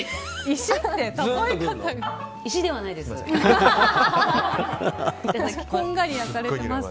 石ではないです。